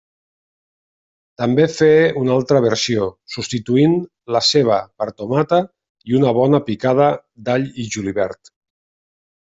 També feia una altra versió, substituint la ceba per tomata i una bona una picada d'all i julivert.